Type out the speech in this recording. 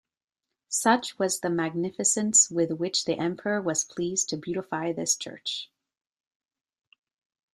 Such was the magnificence with which the emperor was pleased to beautify this church.